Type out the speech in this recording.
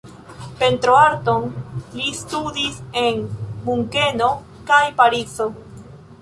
Pentroarton li studis en Munkeno kaj Parizo.